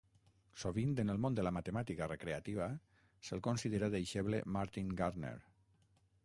Sovint, en el món de la matemàtica recreativa, se'l considera deixeble Martin Gardner.